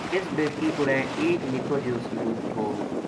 اس بیٹکی کوڑے ایک نِکو جیو صندوق تھو